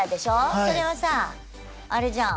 それはさああれじゃん。